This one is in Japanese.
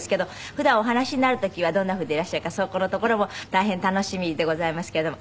普段お話しになる時はどんなふうでいらっしゃるかそこのところも大変楽しみでございますけれども。